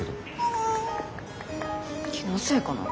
気のせいかな。